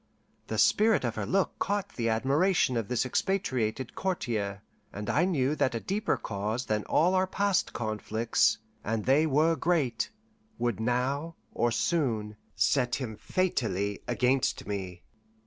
The spirit of her look caught the admiration of this expatriated courtier, and I knew that a deeper cause than all our past conflicts and they were great would now, or soon, set him fatally against me.